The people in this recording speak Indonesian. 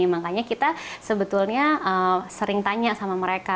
makanya kita sebetulnya sering tanya sama mereka